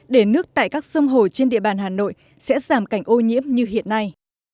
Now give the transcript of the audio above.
để nước tại các sông hồ trên địa bàn hà nội sẽ giảm cảnh ô nhiễm như hiện nay